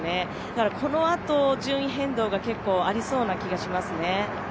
だから、このあと順位変動がありそうな気がしますね。